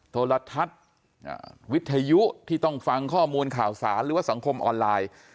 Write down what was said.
โทรทัศน์วิทยุที่ต้องฟังข้อมูลข่าวสารหรือว่าสังคมออนไลน์